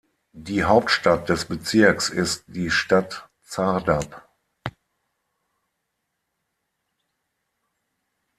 Die Hauptstadt des Bezirks ist die Stadt Zərdab.